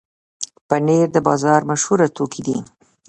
پنېر د بازار مشهوره توکي دي.